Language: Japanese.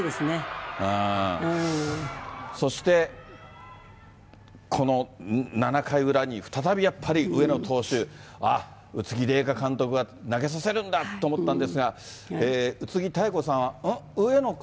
そして、この７回裏に再びやっぱり上野投手、あっ、宇津木麗華監督が投げさせるんだと思ったんですが、宇津木妙子さんは上野か？